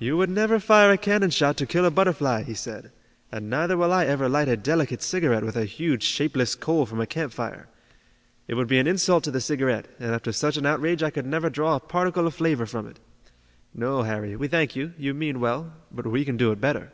"You would never fire a cannon shot to kill a butterfly," he said, "and neither will I ever light a delicate cigarette with a huge, shapeless coal from a campfire. It would be an insult to the cigarette, and after such an outrage I could never draw a particle of flavor from it. No, Harry, we thank you, you mean well, but we can do it better."